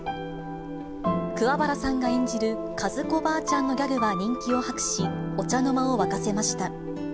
桑原さんが演じる和子ばあちゃんのギャグは人気を博し、お茶の間を沸かせました。